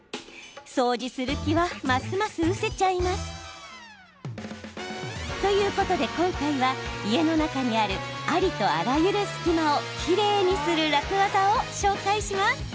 掃除する気はますます、うせちゃいます。ということで今回は家の中にあるありとあらゆる隙間をきれいにする楽ワザを紹介します。